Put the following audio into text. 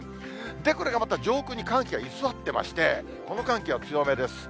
これがまた上空に寒気が居座っていまして、この寒気は強めです。